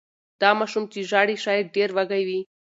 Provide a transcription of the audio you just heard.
دا ماشوم چې ژاړي شاید ډېر وږی وي.